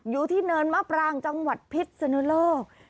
อยู่ที่เนินมะปรางจังหวัดพิษสนุโลก